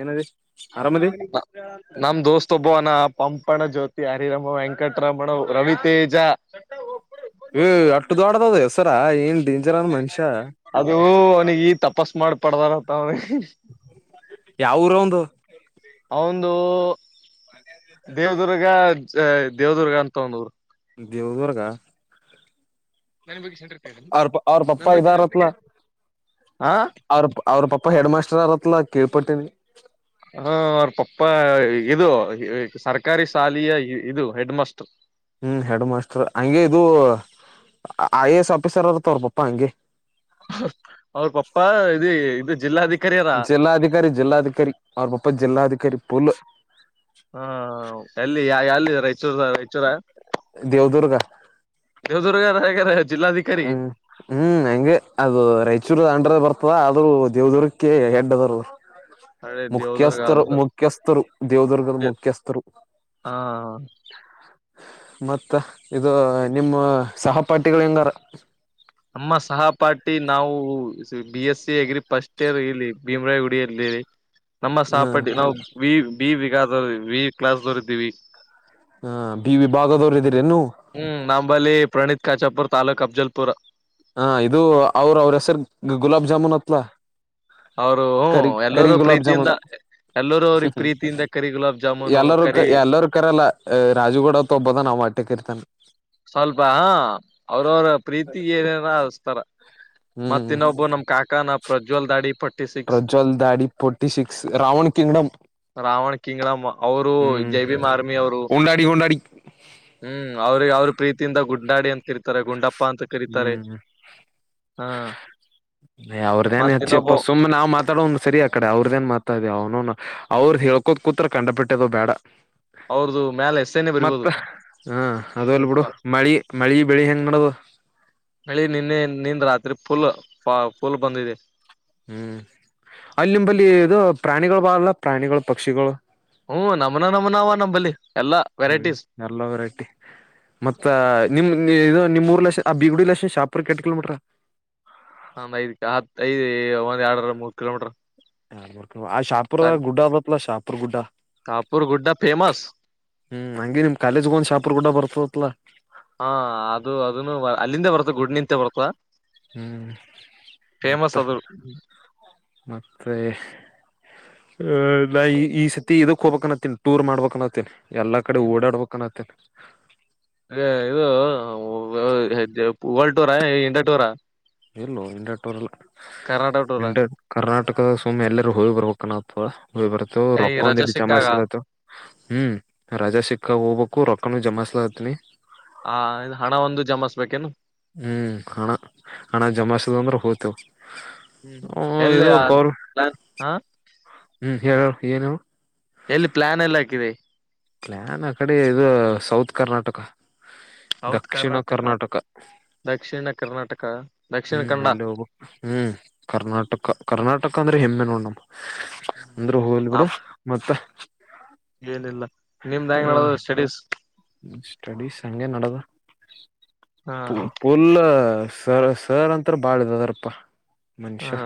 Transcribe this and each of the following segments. ಏನದಿ ಆರಾಮದಿ ನಮ ದೋಸ್ತ್ ಒಬ್ಬೋನ [unintelligible] ಪಂಪಣ ಜ್ಯೋತಿ ಹರಿರಮ ವೆಂಕಟರಮಣ ರವಿತೇಜ [unintelligible] ಏ ಅಟ್ಟ ಧೋಡದದ [unintelligible] ರ ಏನ್ [inaudible] ಮನುಷ್ಯ ಅದು ನ ಈ ತಪಸ್ ಮಾಡಿ ಪಡ್ದಾರಂತ ಅವ್ನಿಗೆ ಯಾವುರ್ ಅವಂದು ಅವಂದು ದೇವದುರ್ಗ ದೇವ್ದುರ್ಗ ಅಂತ ಆವಂದ್ ಊರು ದೇವ್ದುರ್ಗ ನನ್ ಬುಗ್ ಸಕ್ರೆ ಅವ್ರ್ ಅವ್ರ್ ಪಪ್ಪ ಇದಾರತ್ಲ ಹ ಅವ್ರ್ ಅವ್ರ್ ಪಪ ಹೆಡ್ ಮಾಸ್ರ್ ಅಕ್ಷರಾರಥನ ಕೇಳಳ್ಪಟ್ಟಿನಿ ಹಾ ಅವ್ರ್ ಪ ಇದು ಸರ್ಕಾರಿ ಶಾಲೆಯ ಇದು ಹೆಡ್ ಮಾಸ್ಟ್ ಹ್ಮ್ ಹೆಡ್ ಮಾಸ್ಟರ್ ಹಂಗೆ ಇದು ಐ ಎ ಎಸ್ ಆಫೀಸರ್ ಅರ್ತವ್ರ ಪಪ್ಪ ಹಂಗೆ ಅವ್ರ ಪಪ್ಪ ಇ ಇದು ಜಿಲ್ಲಾಧಿಕ ಜಿಲ್ಲಾಧಿಕಾರಿ ಜಿಲ್ಲಾಧಿಕಾರಿ ಅವ್ರ್ ಪ ಉಪ್ ಜಿಲ್ಲಾಧಿಕಾರಿ ಪುಲ್ ಹಾ ಎಲ್ಲಿ ಯಾ ಯಲ್ಲಿದ ಚಿದ ಎಚ್ಚರ ದೇವದುರ್ಗ ದೇವ್ರ್ಗಾರಗರ ಹ್ಮ್ ಹ್ಮ್ ಹೆಂಗೆ ಅದು ರಾಯಚೂರು ಅಂಡ್ರದ ಬರ್ತದ ಅ ರು ದೇವದುೂಗರ್ಕ್ಕೆ ಹೆಡ್ದರು ಹಳೆ ದೇವದುರ್ಗ ಮುಖ್ಯಸ್ಥರು ಅಂದ್ರ ಮುಖ್ಯಸ್ಥರು ದೇವದುರ್ಗದ ಮುಖ್ಯಸ್ಥರು ಹ ಮತ್ತ ಇದು ನಿಮ್ಮ ಸಹಪಾಠಿಗಳ್ ಹೆಂಗಾರ ಅಮ್ಮ ಸಹಪಾಠಿ ನಾವು B S C agri first year ಇಲ್ಲಿ ಭೀಮ್ರಾಯ ಗುಡಿಯಲ್ಲಿ ನಮ್ಮ ಹ ಸಾಪಾಟಿ ನಾವು ವಿ ಬಿ ವಿಗ ವಿ ಕ್ಲಾಸ್ ದೊರಿದ್ದೀವಿ ಹ ಬಿ ವಿಭಾಗದವರು ಇದಿ ಹ್ಮ್ ನಂಬಲ್ಲಿ ಪ್ರಣೀತ್ ಕಚಾಪುರ್ ತಾಲಕ ಅಫಜಲ್ಪುರ ಹ ಇದು ಅವ್ರ ಅವ್ರ ಹೆಸರ್ ಗುಲಾಬ್ ಜಾಮೂನ್ ಅತ್ಲ ಅವರು ಕರಿ ಕರಿ ಎಲ್ಲರೂ ಗುಲಾಬ್ ಪ್ರೀತಿಯಿಂದ ಜಾಮೂನ್ ಎಲ್ಲರೂ ಅವ್ರಿಗೆ ಪ್ರೀತಿಯಿಂದ ಕರಿ ಗುಲಾಬ್ ಜಾಮೂನು ಎಲ್ಲರೂ ಕ ಕರಿ ಎಲ್ಲರ ಕರಲ್ಲ ರಾಜುಗೂಡತ್ ಹೋಗಬೋದ ನಾವ್ ಆಟ್ ಕರಿ ತನ್ ಸ್ವಲ್ಪ ಹ ಅವ್ರವ್ರ ಪ್ರೀತಿ ಏನರ ಅಸ್ತಾರ ಮತ್ ಹ್ಮ್ ಇನ್ನೊಬ್ಬ ನಮ್ ಕಾಕಾನಪ್ ಪ್ರಜ್ವಲ್ ದಡಿ ಪಟ್ ಪ್ರಜ್ವಲ್ ದಾಡಿ forty six Ravan kingdom Ravan kingdom ಅವರು ಹ್ಮ್ ಜೈ ಭೀಮ್ ಆರ್ಮಿ ಅವರು ಉಂಡಾಡಿ ಉಂಡಾಡಿ ತಿಂತ ಗುಂಡಾಡಿ ಅಂತಿರ್ತಾರೆ ಗುಂಡಾಪ್ಪ ಹ್ಮ್ ಹಾ ಅವ್ರದೇನ್ ಮತ್ತ ಇನ್ನೊಬ್ಬ ಹೆಚ್ಚಪ್ಪ ಸುಮ್ನೆ ನಾವ್ ಮಾತಾಡೋಂದ ಸರಿ ಆ ಕಡೆ ಅವ್ರದೇನ್ ಮಾತಾಡ್ದ ಅವ್ನುೂ ಅವ್ರ ಹೇಳ್ಕೋದ ಕುೂತ್ರ ಕಂಡ ಬಿಟ್ಟದ ಬೇಡ ಅವ್ರದು ಮ್ಯಾಲ ಎಸ್ಸೆನೆ ಬರಿಬೋದು ಮತ್ತ ಹಾ ಅದಲ್ ಬಿಡು ಮಳಿ ಮಳಿ ಬೆಳಿ ಹೆಂಗ್ ಮಾಡದು ಮಳಿ ನಿನ್ನೆ ನಿಂದ ರಾತ್ರಿ ಫುಲ್ ಫುಲ್ ಬಂದಿದೆ ಹ್ಮ್ ಅಲ್ಲಿ ನಿಂಬಲ್ಲಿ ಇದು ಪ್ರಾಣಿಗಳು ಬಾರಲ್ಲ ಪ್ರಾಣಿಗಳು ಪಕ್ಷಿಗಳು ಹ್ಮ್ ನಮನ ನಮನ ಅವ ನಂಬಲ್ಲಿ ಎಲ್ಲಾ ವೆರೈಟೀಸ್ ಹ್ಮ್ ಎಲ್ಲ ವೆರೈಟಿ ಮತ್ತ ನಿಮ್ ಇ ನಿಮ್ಮ ಅ ಬಬಗುಡಿ ಲ ಶಾಪುರ್ ಕೆ ಕಿೋಮೀಟರಾ ಹ ಐದತ್ ಐದ ಒ ಎರ ಮೂತ್ ಕಿಲೋಮೀಟರ್ ಹಾ ಆ ಶಾಪು ಗುಡ್ಡಬತ್ ಶಾಪ ಹತ್ತರ್ ಗುಡ್ಡ ಕಾಪೂರ್ ಗುಡ್ಡಾ ಫೇಮಸ್ ಹ್ಮ್ ಹಂಗಗೆ ನಿಮ್ ಕಾಲೇಜ್ ಗೂ ಶಾಪರ್ ಗುಡ್ಡ ಬರ್ತಲಾ ಹಾ ಅದು ಅದನು ಅಲ್ಲಿಂದ ಬರ್ತ ಗುಡ್ ನಿಂತೆ ಬರ್ತ ಹ್ಮ್ ಮತ್ತ ಫೇಮಸ್ ಅದು ಮತ್ತೆ ಆಲ್ಲಾ ಈ ಈ ಸತಿ ಹೋಗಬೇಕ ಅಂತೀ ಟೂರ್ ಮಾಡಬೇಕು ಅತ್ತನಿ ಎಲ್ಲಾ ಕಡೆ ಓಡಾಡ್ಬೇಕಕ್ನತ್ತೇತಿ ಅದೇ ಇದು ಹೆಜ ವರ್ಲ್ಡ್ ಟೂರ್ ಇಂಡಾ ಟೂರಾ ಎಲ್ಲೋ ಇಂಡರ್ಟೋರ್ಲ್ಲಿ ಕರ್ನಾಟಕ ಟೂರಾ ನಿ ಕರ್ನಾಟಕ ನಟಕದ ಸುಮ್ ಎಲ್ಲರೂ ಹೋಗಿ ಬರ್ಬೇಕು ನಾವು ತೋ ಹ್ ಬರ್ತು ಈ ರೊಕ್ಕ ರಜೆ ಒಂದಿಡ್ ಸಿಕ್ಕಾಗ ಚಮಾತ್ತು ಹ್ಮ್ ರಜಾ ಸಿಕ್ಕ ಹೋಗ್ಬಬೇಕು ಕ ರಕಣು ಜಮಾಸಲ ಹತನಿ ಹ ಹಣ ಒಂದು ಜಮಿಸ್ಬೇಕೇನು ಹ್ಮ್ ಹಣ ಹಣ ಜಮಸುವುದು ಅಂದ್ರೆ ಗೋತು ಹ್ಮ್ ಹ್ಮ್ ಎಲ್ಲಿನ್ ಹ ಯಾರ ಏನು ಎಲ್ಲಿ ಪ್ಲಾನ್ ಎಲ್ಲ ಹಾಕಿದೆ ಪ್ಲಾನ್ ಆ ಕಡೆ ಇದು ಸೌತ್ ಕರ್ನಾಟಕ ದಕ್ಷಿಣ ಕರ್ನಾಟಕ ದಕ್ಷಿಣ ಕರ್ನಾಟಕ ದಕ್ಷಿಣ ಹ್ಮ್ ಕನ್ನಡ ಅಲ್ಲಿ ಹೋಗಬೇಕು ಕರ್ನಾಟಕ ಕರ್ನಾಟಕ ಅಂದ್ರೆ ಹೆಮ್ಮೆ ನೋಣಮ್ಮ ಅಂದ್ರೆ ಹೋಲ್ ಹ ಬಿಡು ಮತ್ತೆ ಏನಿಲ್ಲ ನಿಮ್ದ್ ಹೆಂಗ್ ನಡದು ಸ್ಟಡೀಸ್ ಹ್ಮ ಸ್ಟಡೀಸ್ ಹಗೆ ನಡದ ಹಾ ಪುಲ್ ಸರ್ ಸರ್ ಅಂತ ಬಾಳದ ಅದರಪ್ಪ ಹಾ ಮನುಷ್ಯ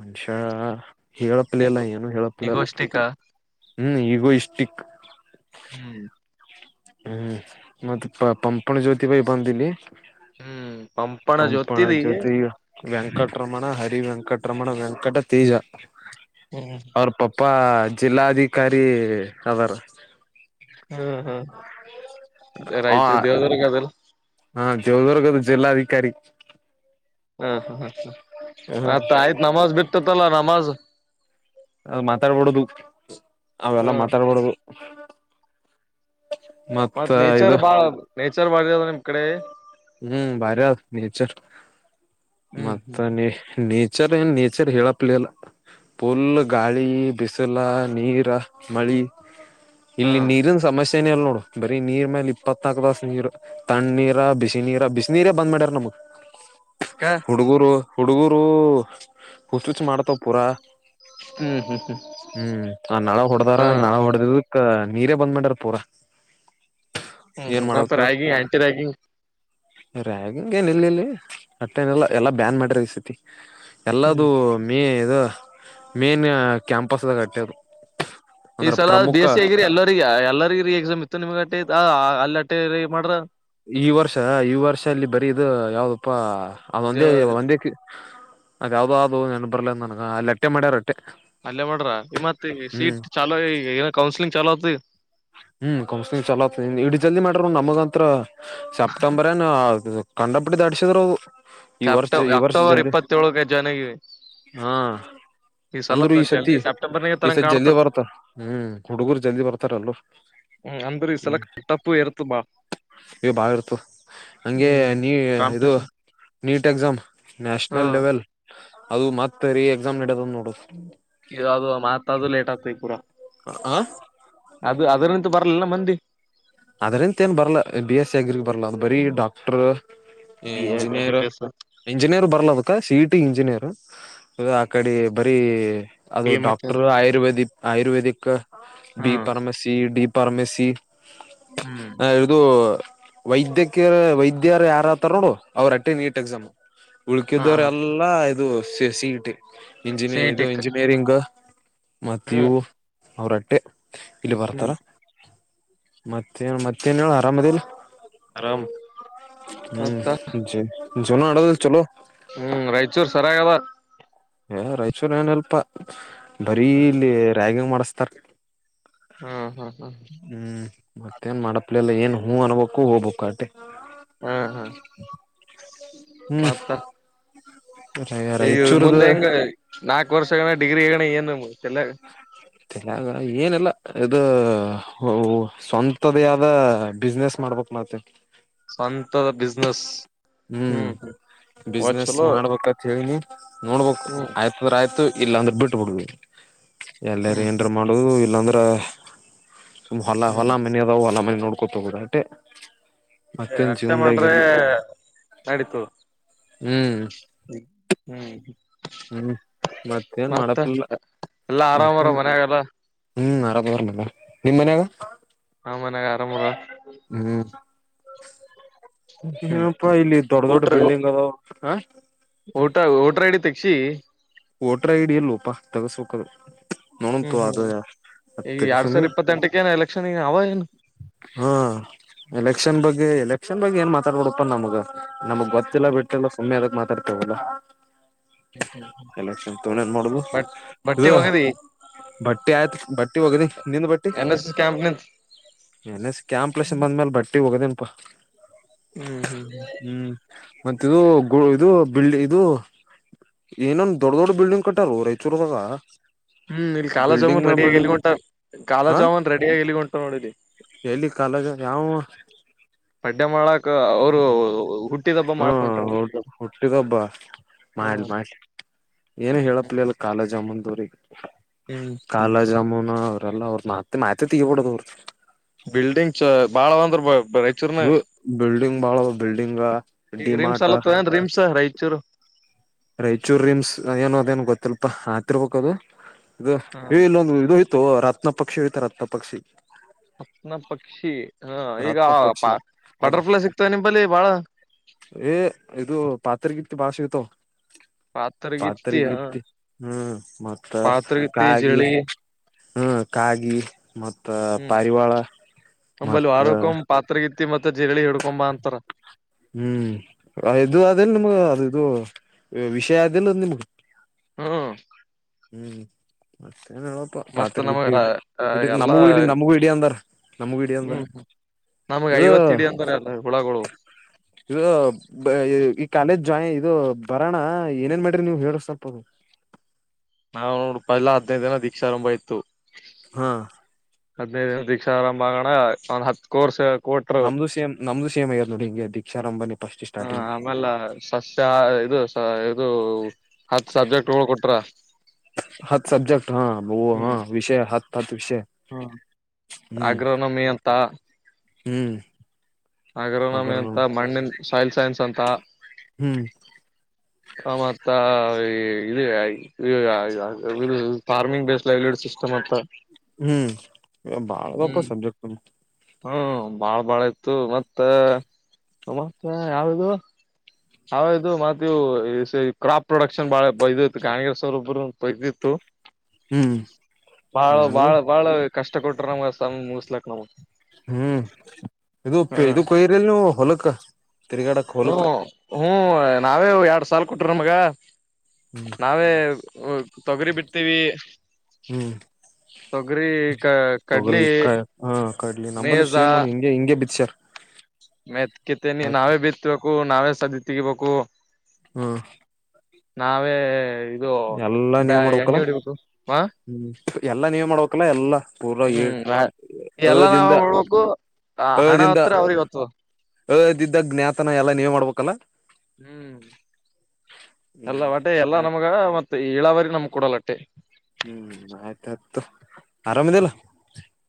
ಮನುಷಃ ಈಗ ಹೇಳಪ್ಲಲ್ಲ ಏನು ಹೇಳಪ್ಲಲ್ಲ ಈಗೋಷ್ಟಿಕ ಹ್ಮ್ ಈಗೂ ಇಷ್ಟ ಹ್ಮ್ ಹ್ಮ್ ಮತ್ತೆ ಪಂಪನ ಜ್ಯೋತಿ ಭೈ ಬಂದಿ ಹ್ಮ್ ಪಂಪನ ಜೊತಿದಿ ಜ್ಯೋತಿ ವೆಂಕಟರಮಣ ಹರಿ ವೆಂಕಟರಮಣ ವೆಂಕಟ ತೇಜ ಹ್ಮ್ ಅಪ ಜಿಲ್ಲಾಧಿಕಾರಿ ಅವರ ಹ್ಮ್ ಹ್ಮ್ ಹ ರೈತ ದೇವದುರ್ಗ ಅದಲ್ಲ ಹಾ ಜವದರ್ಗ ದು ಜಿಲ್ಲಾಧಿಕಾರಿ ಹ್ಮ್ ಹ ಹ್ಮ ಹ್ಮ ಹ ಆತ್ ಆಯ್ತ್ ನಮಾಜ್ ಬಿಡ್ತ ಪಲ್ಲ ನಾಮಾಜ ಅದು ಮಾತಾಡ್ಬಡೋದು ಅವೆಲ್ಲಾ ಹ್ಮ್ ಮಾತಾಡ್ಬಡ್ದುದು ಅ ಮತ್ತ ನೇಚರ್ ಬಾಳ ನೇಚರ್ ಾರ ನಿಮ ಕಡೆ ಹ್ಮ್ ಭಾರಿ ಆದ ನೇಚರ್ ಹ್ಮ್ ಮತ್ತ ಹ್ಮ್ ನೀ ನೇಚರ್ ಏನು ನೇಚರ್ ಹೇಳಪ್ಲಲ್ಲ ಪುಲ್ ಗಾಳಿ ಬಿಸಿಲ ನೀರ ಮಳಿ ಹಾ ಇಲ್ಲಿ ನೀರಿನ ಸಮಸ್ಯೆ ಎಲ್ ನೋಡು ಬರೀ ನೀರ್ ಮೇಲೆ ಇತ್ನಾಲ್ಕು ದಸ್ ನೀರು ತಣ್ಣ ನೀರ ಬ ಬ ನೀರ ಬಿಸ ನೀೀರ ಬಂದ್ ಮಾಡ್ಯಾರ ನಮಗ್ ಹುಡುಗೂರು ಹುಡುಗರು ಹುಚ್ ಹುಚ್ ಮಾಡ್ತವ ಪೂರಾ ಹ್ಮ್ ಹ್ಮ್ ಹ್ಮ್ ಹ್ಮ್ ಆ ನಳ ಹೊಡದಾರ ಹ ನಳ ಹೊಡೆ್ದ [inaudible] [unintelligible] ಅ ನೀರೇ ಬಂದ್ ಮಾಡಾರ ಪೂರಾ ಹ್ಮ ನ ರೈಗಿಂಗ್ ಆಂಟಿ ರೈಗಿಂಗ್ ರ್ಯಂಗ ಏನ್ ಇಲ್ಲಿ ಇಲ್ಲಿ ಅಟ್ಟನೆಲ್ಲ ಎಲ್ಲಾ ಬ್ಯಾನ್ ಮಾಡ್ರ ಈಸತಿ ಹ್ಮ್ ಎಲ್ಲದುೂ ಮೇ ಇದು ಮೇನ್ ಕ್ಯಾಂಪಸ್ದಾಗಟ್ಟೆ ಅದು ಈ ಅಂದ್ರ ಸಲ ಬಿ ಪ್ರಮುಖ ಎಸ್ ಸಿ ಆಗಿರಿ ಎಲ್ಲರಿಗ ಎಲ್ಲರಿಗ ರರಿ ಎಕ್ಸಾಮ್ ಇತ್ತು ನಿಮ್ಗ ಅಲ್ಲಟ್ಟೆ ಮಾಡ್ರ ಈ ವರ್ಷ ಈ ವರ್ಷ ಅಲ್ಲಿ ಬರೀ ಇದು ಯಾವ್ದಪ್ಪಾ ಅದ ಒಂದೇ ದೇವ ಒಂದೇ ಅ ಯಾವ್ದೋ ಅದು ನೆನ್ ಬರ್ಲ ನನಗ ಅಲ್ಲಿ ಅಟ್ಟೆ ಮಾಡ್ಯಾರಟ್ಟ ಅಲ್ಲೇ ಮಾಡ್ರ ಈ ಮತ್ ಈ ಹ್ಮ್ ಸೀಟ್ ಚಾೋ ಏನ ಕೌನ್ಲಿಂಗ್ ಚಲೋತ್ತು ಹ್ಮ್ ಕಮ್ಸ ಚಲೋ ಇಡೀ ಜಲ್ದಿ ಮಾಡ್ರ ನಮಗಂ ಸೆಪ್ಟಂಬರ್ ಕಂಡಪಡಿ ದಧಡಿಸಿದ್ರೋದು ಸೆಪ್ಟ ಅಕ್ಟೋಬರ್ ಇಪ್ಪತ್ತ ಳಗೆ ಜನಗರಿ ಅಂದ್ರರು ಈ ಸತಿ ಈ ಸತಿ ಜಲ್ಲಿ ಬರ್ತ ಹ್ಮ್ ಹುಡುಗರು ಜಲ್ದಿ ಬರ್ತಾರಲ್ರು ಹ್ಮ್ ಅಂದ್ರ ಈ ಸಲ ಹ್ಮ್ ಟಫ್ ಇರ್ತ ಬಾ ಈ ಬಾ ಇರ್ತ ಹಂಗೆ ಹ್ಮ್ ನೀ ಇದು ಕಾಂಪಿಟೇಷನ್ ನೀಟ್ ಎಕ್ಸಾಮ್ ಹಾ ನ್ಯಾಷನಲ್ ಲೆವೆಲ್ ಅದು ಮತ್ ತರಿ ಎಕ್ಸಾಮ್ ನೀಡಡದು ಒಂದು ನೋಡ ಯ್ದ ಮಾತ್ ತದು ಲೇಟ್ ಆಗ್ತ ಈ ಪೂಾ ಆ ದು ಅದ್ರಂತ ಬರಲಿಲ್ಲ ಮಂದಿ ಅದ್ರಂತ ಏನ್ ಬರಲ್ಲಾ ಬಿ ಎಸ್ ಸಿ ಆಗ್ರಗ್ ಬರ್ಲ ಅ ಬರೀ doctor B S B engineer engineer ಬರ್ಲಲೆ ಬೇಕಾ ಇಂಜಿನಿಯರ್ ಅ ಆ ಕಡೆ ಬರೀ ಅದು M S doctor ayurvedic ayurvedic B ಹ್ಮ್ ಫಾರ್ಮ್ ಸಿ ಪಾರ್ಮೆಸಿ ಹ್ಮ್ ಹ ಇದು ವೈದ್ಯಕ ವೈದ್ಯರು ಯಾರತಾರ ನೋಡು ಅವ್ರ ಅಟ್ಟೆಂಡ್ ನೀಟ್ ಎಕ್ಸಾಮ್ ಹಾ ಉಳ್ಕಿದ್ದವ್ರ ಹಾ ಎಲ್ಲಾ ಇದು ಸ ಸೀಟಿ ಇಂಜಿನಿಯ ಇದು ಸೇಟಿಕ್ ಇಂಜಿನಿಯರಿಂಗ್ ಹ್ಮ್ ಮತ್ತೀವು ಅವ್ರಟ್ಟೆ ಇಲ್ಲಿ ಬರ್ತಾರ ಹ್ಮ್ ಮತ್ತೆ ಮತ್ತೇ ಮತ್ತೇನ್ ಹೇಳು ಆರಾಮ ಅದೇಿಲ್ಲ ಆರಾಮ್ ಮತ್ತ ಹ್ಮ್ ಜ ಜನ ಆಡದ ಚಲೋ ಹ್ಮ್ ರಾಯಚೂರ್ ಸರಿಯಾಗದ ಏ ರಾಯಚೂರಿ ಏನ್ಲ್ಪಾ ಬರೀ ಇಲ್ಲಿ ರ್ಯಾಗಿಂಗ್ ಮಾಡ್ ತರ್ ಹ್ಮ್ ಹ್ಮ್ ಹ್ಮ್ ಹ ಮತ್ತೇನ್ ಮಾಡಪ್ಲಿಲ್ಲಾ ಏನ್ ಹೂ ಅನ್ಬೇಕು ಹೋಗ್ಬೇಕು ಆಟೆ ಹಾ್ ಹಾ ಹ್ಮ್ ಮತ್ತ ಈಗ ಮುಂದೆ ರಾಯಚೂರ್ದ ಹೆಂಗ ನಾಕು ವರ್ಷಗಳೇ ಡಿಗ್ರಿ ಹಗಣ ಏನು ಚಲ್ಲ ಾಗ ಏನಲ್ಲ ಇದು ಸ್ವಂತದೇ ಆದ ಬಿಸ್ನೆಸ್ ಮಾಡ್ಬೇಕಕ್ ಮಾಡತೇನ್ ಸ್ವಂತದ ಬಿಸ್ಿನೆಸ್ ಹ್ಮ್ ಬಿಸ್ನೆಸ್ ಚಲೋ ಮಾಡ್ಬೇಕತ್ ಹೇಳಿನಿ ನೋಡ್ಬೇಕು ಹ್ಮ್ ಆಯ್ತ್ರ ಆಯ್ತು ಇಲ್ಲ ಅಂದ್ರೆ ಬಿಟ್ಟಬಿಡ್ಬ ಎಲ್ಲಾರ ಹ್ಮ್ ಹ್ಮ್ ಏನ್ರ ಮಾಡುದು ಇಲ್ಲಾಂದ್ರ ಬ ಲ್ಲ ಹ್ಮ್ ಹಲ್ಲ ಮಲ್ಲ ಮ ನೋಡ್ಕೊತ ಹೋಗೋುದಾ ಅಟೇ ಅಷ್ಟೆ ಮಾಡ್ರೆ ನಡಿತು ಹ್ಮ್ ಹ್ಮ್ ಹ್ಮ ಹ್ಮ್ ಮತ್ತೇನ್ ಮತ್ತೆ ಮಾಡಪ್ಲಿಲ್ಲ ಎಲ್ಲಾ ಆರಾಮಾರ ಮತ್ತೇನ್ ಮನ ಆಾಗಲ್ಲ ಹ್ಮ್ ಆರಾಮ್ ಇದರ ನಮ್ಮವರ ನಿಮ್ ಮನ್ಯಾಗ ಹ ಮನ್ಯಾಗ ಆರಾಮದ ಹ್ಮ್ ಹ್ಮ್ ಏನಪ್ಪಾ ಇಲ್ಲಿ ದೊಡ್ಡ ದೊಡ್ಡ ಬಿಲ್ಡಿಂಗ್ ಅದಾವ್. ಹಾ ಊಟ ವೋಟ್ರೈಡಿ ತಗ್ಸಿ ವೋಟರ್ ಐಡಿ ಇಲ್ಲೋಪ ತಗಸ್ಬೇಕದು. ನೋಡಂತು ಹ್ಮ್ ಹ್ಮ್ ಅದು ಹ್ಮ್ ಈಗ ಮತ್ತೆ ಎರಡ್ ಸುಮ್ಮಿ ಸಾವಿರ ಇಪ್ಪತ್ತೆಂಟಕ ಏನು ಎಲೆಕ್ಷನ್ ಅವ ಏನು ಹಾ ಎಲೆಕ್ಷನ್ ಬಗ್ಗೆ ಎಲೆಕ್ಷನ್ ಬಗ್ಗೆ ಏನ್ ಮಾತಾಡಬೇಡಪ್ಪಾ ನಮ್ಗ ನಮ್ಗ ಗೊತ್ತಿಲ್ಲ ಬಿಟ್ಟೆಲ್ಲ ಸುಮ್ಮನೆ ಎದ್ಕ್ ಮಾತಾಡ್ತವಲ್ಲ ಎಲೆಕ್ಷನ್ ತಗೊಂಡ್ ಏನ್ ಮಾಡುದು ಬಟ್ ಬಟ್ಟಿ ಇದು ಒಗದಿ ಬಟ್ಟಿ ಆಯ್ತು ಬಟ್ಟಿ ಹೋಗದಿ ನಿಂದ ಬಟ್ಟಿ ಎನ್ ಎಸ್ ಎಸ್ ಕ್ಯಾಂಪ್ ನಿಂತ ನ ಕ್ಯಾಂಪ್ಲೇಸ್ ಬಂದ್ಮೇಲೆ ಬಟ್ಟಿ ಹೋಗೋದೇನ್ಪಾ ಹ್ಮ್ ಹ್ಮ್ ಹ್ಮ್ ಮತ್ತಿದು ಗು ಇದು ಬಿಲ್ಡಿ ಇದು ಏನಂದು ದೊಡ್ ದೊಡ್ಡ ಬಿಲ್ಡಿಂಗ್ ಕಟ್ಟರು ರಾಯಚೂರ್ದಾಗ ಹ್ಮ ಇಲ್ಲಿ ಕಾಲಾ ಬಿಲ್ಡಿಂಗ್ ಜಾಮೂನ್ ಮ್ಯಾಲ ರೆಡಿ ಬಿಲ್ಡಿಂಗ್ [unintelligible] ಕಾಲಾ ಹಾ ಜಾಮೂನ್ ರೆಡಿಯಾಗಿ ಎಲ್ಲಿಘೊಂಟವ್ ಎಲ್ಲಿ ಕಾಲಗ ಯಾವವ ಪಡ್ಡೆ ಮಾಡಕ್ ಅವರು ಹುಟ್ಟಿದ ಹಬ್ಬ ಮಾಡ್ಕೊಂಟ್ರ ಹ್ಮ ಹುಟ್ಟಿದಬ್ಬ ಹ ಮಾಡ ಮಾಡ್ ಏನ ಹೇಳಪ್ಲ ಎಲ್ಲ ಕಾಲೇಜ್ ಅಮ್ಮನ್ ಸರಿ ಕಾಲಾ ಜಾಮುನ ಅವ್ರಲ್ಲ ಅತ್ ಮತ್ತೆ ಮಾತ್ತೆ ತಗಿಬಡದ ಅವ್ರು ಭಾಳ ಒಂದ್ರ ಬ ಹ ಬಿಲ್ಡಿಂಗ್ ಬಾಳ ಬಿಲ್ಡಿಂಗ್ ಡಿಮಾರ್ಟ ಚರು ರಾಯಚೂರ್ ರಿಮ್ಸ್ ಏನು ಅದೇನ್ ಗೊತ್ತಿಲ್ಪಾ ಆತಿರ್ಬೇಕಕ್ ಅದು ಇದು ಹ ಇಲ್ಲೊಂದು ಇದ್ಯೋತ ರಾತ್ ರತ್ನ ಪಕ್ಷಿಯತ ರತ್ನ ಪಕ್ಷಿ ಅನ ಪಕ್ಷಿ ಹಾ ಈಗ ರತ್ನ ಪಕ್ಷಿ ಅದು ಬಟರ್ಫ್ಲೈ ಸಿಕ್ತವೆ ನಿಂಬಲ್ಲಿ ಬಾಳ ಇತ್ ಬಾಷ್ ಇತೋವ್ ಪಾತ್ರಗಿತ್ತಿ ಹ ಪಾತ್ರೆಗಿತ್ತ ಹ್ಮ್ ಮತ್ತ ಪಾತ್ರಗಿತ್ತಿ ಕಾಗಿ ಜಳಿ ಹ್ಮ ಕಾಗಿ ಮ ಮತ್ತ ಹ್ಮ್ ಪಾರಿವಾಳ ಮತ್ತ ತಿ ಮತ್ತೆ ಜರಳಿ ಹಿಡ್ಕೊಂಬ ಅಂತಾರ ಹ್ಮ್ ಇದು ಅದೆಲ್ ನಿಮಗ ಅದು ಇದು ವಿಷಯ ಅದೆಲ್ಲ ನಿಮ್ಗ ಹ್ಮ್ ಹ್ಮ್ ಮತ್ ಏನ್ ಹೇಳಪ್ಪ ಮತ್ತ ಪಾತ್ರೆಗಿ ನಮಗ ಇಡಿ ಇ ಎಲ್ಲಾ ನಮಗೂ ಇಡಿ ನಮಗೂ ಇಡಡಿ ಅಂದಾರ. ನಮ್ಗ ಗಿಡಿ ಅಂದರ ಹ್ಮ್ ನಮಗ್ ಇದು ಐವತ್ ಹಿಡಿ ಅಂದ್ರ ಎಲ್ಲ ಹುಳಗಳು ಇದು ಬೈ ಈ ಕಾಲೇಜ್ ಜಾಯಿನ್ ಇದು ಬರೋಣ ಏನೇನ್ ಮಾಡ್ರಿ ನೀವ್ ಹೇಳ್ರಿ ಸ್ವಲ್ಪದು ನಾವ್ ನೋಡ್ಪ ಎಲ್ಲಾ ಹದಿನೈದು ದಿನ ದೀಕ್ಷ ಆರಂಭ ಇಯ್ತು ಹಾ. ಹದಿನೈದು ದಿನ ದೀಕ್ಷಾ ಆರಂಭ ಆಗೋಣ ಒಂದ್ ಹತ್ತು ಕೋರ್ಸ್. ಕೊಟ್ರು ನಮ್ದು ಸೇಮ್ ನಮ್ದು ಸೇಮ್ಗಲ್ಲ ನೋಡಿ ಹೀಗೆ ದೀಕ್ಷಾರಂಭನಿ ಫಸ್ಟ್ ಹಾ ಸ್ಟಾರ್ಟಿಂಗ್ ಆಮೇಲೆ ಸಸ್ಯ ಇದು ಸ ಇದು ಹತ್ತು ಸಬ್ಜೆಕ್ಟ್ ಳ್ ಕೊಟ್ರ ಹತ್ ಸಬ್ಜೆಕ್ಟ್ ಹಾ ಹೂ ವಿಷಯ ಹತ್ ಹತ್ ವಿಷಯ ಹ್ಮ ಹ್ಮ್ ಆಗ್ರ ನಮಿ ಅಂತ ಹ್ಮ್ ಹಾಗ್ರನಮಿ ಅಗರ್ನ ಅಂತ ಮಣ್ಣಿನ ಸೈಲ್ ಸೈನ್ಸ್ ಅಂತ ಹ್ಮ್ ಹ ಮತ್ತ ಇ ಇದ್ ಯ ಇಯ ಫಾರ್ಮಿಂಗ್ ಬೇಸ್ಡ್ ಲೈವ್ಲಿಡ್ ಸಿಸ್ಟಮ್ ಅತ್ತ ಹ್ಮ್ ಈಗ ಬಾಳ ದಪ್ಪ ಸಬ್ಜೆಕ್ಟ್ ಹ್ಮ ಭಾಳ್ ಭಾಳ ಇತ್ತು ಮತ್ತ ಮತ್ತೆ ಯಾವದು ಹೌದು ಮತ್ತ ಕ್ರಾಪ್ ಪ್ರೊಡಕ್ಷನ್ ಬಾಳ ಬೈದತ್ತು ಕಾಂಗೆಸ್ವರ ಒಬ್ಬರು ಬೈದಿತ್ತು ಹ್ಮ್ ಭಾಳ ಗಾಳಿ ಭಾಳ ಭಾಳ ಕಷ್ಟ ಕೊಟ್ರ ನಮ್ ಮುಗಿಸಲಕ್ ನ್ ಹ್ಮ್ ಇದು ಇದು ಹ್ಮ ಕೊಯರಿಲ್ ಹೊಲಕ್ ತಿರುಗಾಡಕ್ ಹೊಲಕ್ ಸಾಲ್ ಕೊಟ್ರ ಮಗ ಹ್ಮ್ ನಾವೇ ಹ್ಮ ತೊಗರಿ ಬಿಡ್ತೀವಿ ಹ್ಮ್ ತೊಗರಿ ಕ ತೊಗರಿ ಕಡ್ಲಿ ಕ ಹ ಕಡ್ಲಿ ನಮ್ಮಲ್ಲೂ ಶ ಎಮ್ ನೋ ಹಿಂಗೆ ಹಿಂಗೆ ಬಿದಸರ್ ಮೆತ್ ಕತೆೇನೆ ನಾವೇ ಬಿತ್ಬೇಕು ನಾವೇ ಸದಿ ತೆಗಿಬೇಕು ಹ್ಮ್ ನಾವೇ ಇದು ಎಲ್ಲಾ ಬ್ಯ ನೀವ್ ಎಣ್ಣೆ ಮಾಡ್ಬೇಕಲ್ಲ ಹೊಡಿಬೇಕು ಹ ಹ್ಮ್ ಎಲ್ಲಾ ನೀವ್ ಮಾಡ್ಬೇಕಲ್ಲ ಎಲ್ಲಾ ಹ್ಮ್ ಎಲ್ಲಾ ನಾವ ಮಾಡ್ಬೇಕು ಆ ಹಣ ಹತ್ರ ಅವ್ರಿಗೆ ಹೊತ್ತು [inaudible] ಕಲ ಹ್ಮ್ ಎಲ್ಲ ಹ್ಮ್ ಒಟ್ ಎಲ್ಲಾ ಆಯ್ತ್ ನಮ್ಗ ಮತ್ತ ಮ ಏಳಾವರಿ ನಮ್ ಕೊಡಲ್ಲಟ್ಟೆ ಹ್ಮ್ ಆಯ್ತಾಯ್ತು ಆರಾಮದಲ್ಲ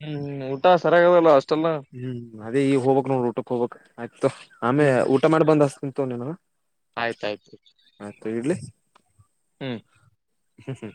ಹ್ಮ್ ಊಟ ಸರಿಯಾಗದಲ್ಲ ಅಷ್ಟ ಹ್ಮ್ ಅದೇ ಈಗ ಹೋಗಬಕ್ ನೋಡ್ರ ಊಟ ಹೋಗ್ಕ್ ಆಯ್ತು ಆಮೆ ಊಟ ಮಾಡ್ ಬಂದ ತಿಂತೇನಾ ಆಯ್ತಾಯ್ತುತು ಹ್ಮ್ ಹು ಹೂ